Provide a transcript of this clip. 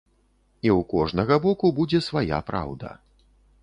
І ў кожнага боку будзе свая праўда.